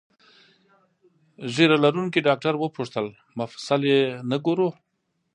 ږیره لرونکي ډاکټر وپوښتل: مفصل یې نه ګورو؟